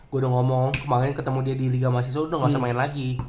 gue udah ngomong kemarin ketemu dia di liga mahasiswa udah gak usah main lagi